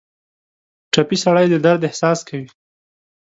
ټپي سړی د درد احساس کوي.